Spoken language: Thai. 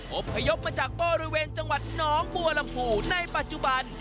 อบพยพมาจากบริเวณจังหวัดน้องบัวลำพูในปัจจุบัน